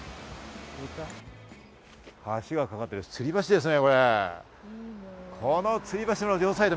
橋がかかっている、つり橋ですね。